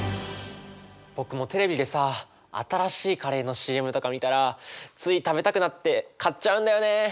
僕もテレビでさ新しいカレーのＣＭとか見たらつい食べたくなって買っちゃうんだよね。